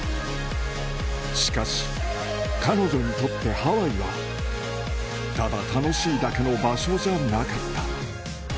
しかし、彼女にとってハワイは、ただ楽しいだけの場所じゃなかった。